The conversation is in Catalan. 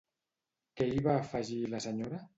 Què hi va afegir la senyora?